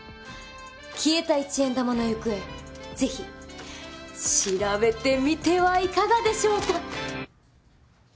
消えた一円玉の行方是非調べてみてはいかがでしょうか。